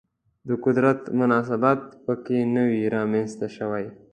د قدرت مناسبات په کې نه وي رامنځته شوي